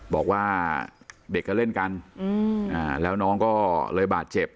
บอกว่าเด็กก็เล่นกันแล้วน้องก็เลยบาดเจ็บ